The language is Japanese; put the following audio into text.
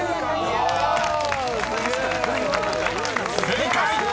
［正解！